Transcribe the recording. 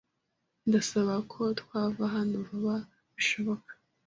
Ndasaba ko twava hano vuba bishoboka.